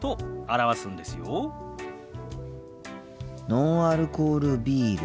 ノンアルコールビール。